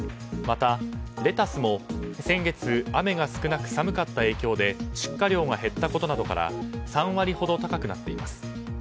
またレタスも先月、雨が少なく寒かった影響で出荷量が減ったことなどから３割ほど高くなっています。